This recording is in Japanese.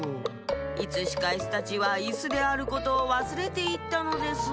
いつしかイスたちはイスであることをわすれていったのです。